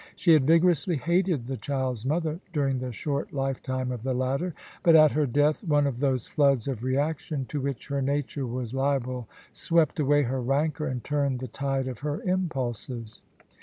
She had vigorously hated the child's mother during the short lifetime of the latter ; but at her death, one of those floods of reaction to which her nature was liable swept away her rancour and turned the tide of her impulses.